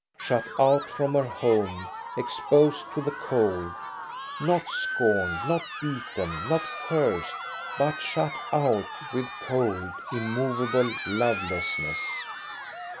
Shut out from her home, exposed to the cold, — not scorned, not beaten, not cursed, but shut out with cold, immovable lovelessness.